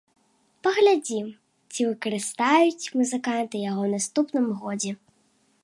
Паглядзім, ці выкарыстаюць музыканты яго ў наступным годзе!